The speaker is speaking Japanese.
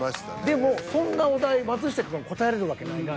でもそんなお題松下くんが答えれるわけないから。